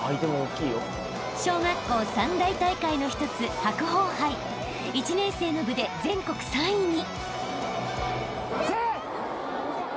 ［小学校三大大会の一つ白鵬杯１年生の部で全国３位に］